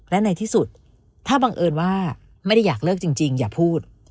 และในที่สุดถ้าบังเอิญว่าไม่ได้อยากเลิกจริงอย่าพูด